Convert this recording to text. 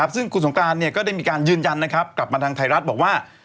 ซึ่งคุณสงกรานก็ได้มีการยืนยันกลับมาทางไทยรัฐบอกว่า